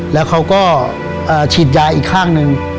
แล้วเขาก็ฉีดยาอีกข้างหนึ่ง